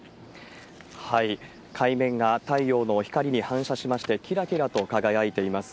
海面が太陽の光に反射しまして、きらきらと輝いています。